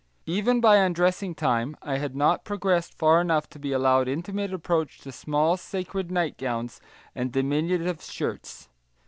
Even by undressing time I had not progressed far enough to be allowed intimate approach to small sacred nightgowns and diminutive shirts.